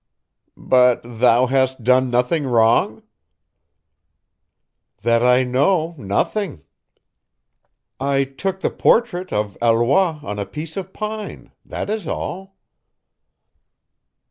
"But thou hast done nothing wrong?" "That I know nothing. I took the portrait of Alois on a piece of pine: that is all."